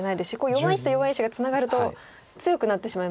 弱い石と弱い石がツナがると強くなってしまいますよね。